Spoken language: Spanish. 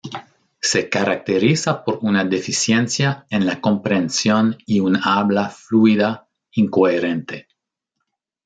Se caracteriza por una deficiencia en la comprensión y un habla fluida incoherente.